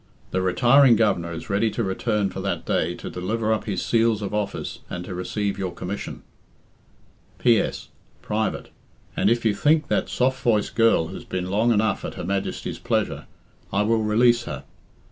The retiring Governor is ready to return for that day to deliver up his seals of office and to receive your commission." "P. S. Private. And if you think that soft voiced girl has been long enough 'At Her Majesty's pleasure,' I will release her.